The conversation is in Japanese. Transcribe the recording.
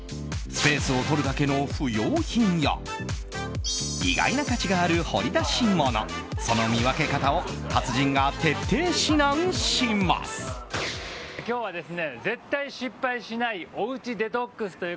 スペースを取るだけの不要品や意外な価値がある掘り出し物その見分け方を達人が徹底指南します。